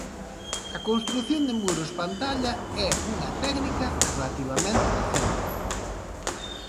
A construción de muros pantalla é unha técnica relativamente recente.